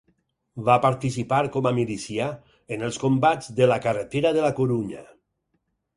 Va participar com a milicià en els combats de la carretera de La Corunya.